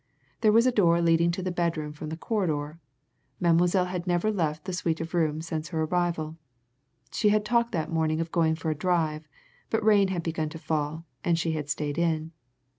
There was a door leading into the bedroom from the corridor. Mademoiselle had never left the suite of rooms since her arrival. She had talked that morning of going for a drive, but rain had begun to fall, and she had stayed in.